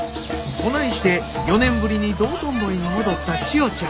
こないして４年ぶりに道頓堀に戻った千代ちゃん。